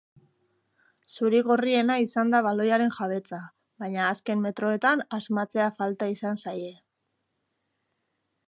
Zuri-gorriena izan da baloiaren jabetza, baina azken metroetan asmatzea falta izan zaie.